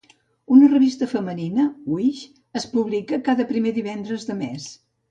Una revista femenina, "Wish", es publica cada primer divendres del mes.